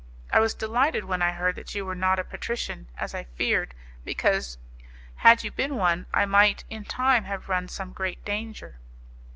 I was delighted when I heard that you were not a patrician, as I feared, because, had you been one, I might in time have run some great danger."